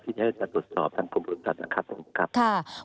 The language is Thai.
ที่จะตรวจสอบทางภูมิบริษัทนะครับ